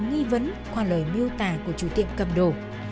nghi vấn qua lời miêu tả của chủ tiệm cầm đồ